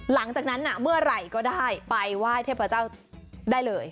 หลังจากนั้นเมื่อไหร่ก็ได้ไปไหว้เทพเจ้าได้เลย